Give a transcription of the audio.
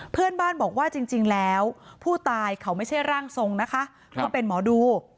เพื่อนบ้านบอกว่าจริงแล้วผู้ตายเขาไม่ใช่ร่างทรงนะคะเขาเป็นหมอดู